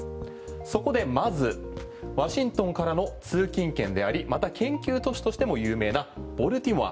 そこでまずワシントンからの通勤圏でありまた、研究都市として有名なボルティモア